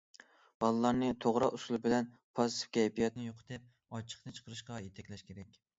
بالىلارنى توغرا ئۇسۇل بىلەن پاسسىپ كەيپىياتنى يوقىتىپ، ئاچچىقىنى چىقىرىشقا يېتەكلەش كېرەك.